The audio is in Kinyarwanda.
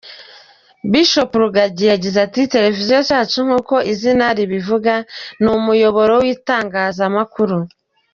Bishop Rugagi yagize ati: Television yacu nk’uko izina ribivuga, ni umuyoboro w’ibitangaza.